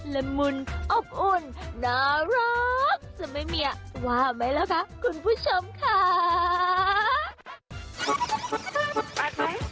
ละมุนอบอุ่นน่ารักจะไม่มีว่าไหมล่ะคะคุณผู้ชมค่ะ